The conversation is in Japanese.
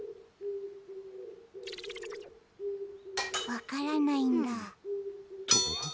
わからないんだ。